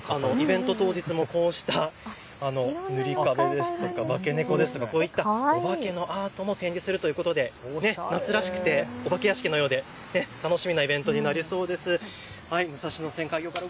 Ｓａｎｄｙさんは妖怪アート、手がけていてイベント当日もこうした塗り壁ですとか、化け猫ですとか、お化けのアートも展示するということで夏らしくてお化け屋敷のようで楽しみなイベントになりそうです。